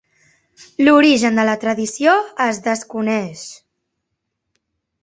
L'origen de la tradició es desconeix.